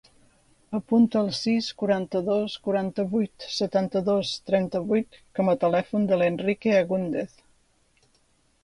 Apunta el sis, quaranta-dos, quaranta-vuit, setanta-dos, trenta-vuit com a telèfon de l'Enrique Agundez.